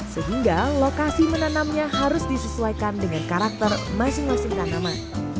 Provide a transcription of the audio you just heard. sehingga lokasi menanamnya harus disesuaikan dengan karakter masing masing tanaman